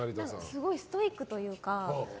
すごいストイックというか。